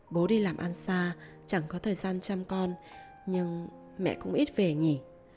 bố đi làm ăn xa chẳng có thời gian chăm con nhưng mẹ cũng ít về nghỉ